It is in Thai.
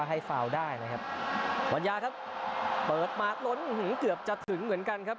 ให้ฟาวได้นะครับวันยาครับเปิดมาล้นหือเกือบจะถึงเหมือนกันครับ